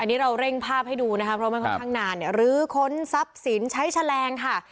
อันนี้เราเร่งภาพให้ดูนะคะเพราะมันค่อนข้างนานเนี่ยลื้อค้นทรัพย์สินใช้แฉลงค่ะ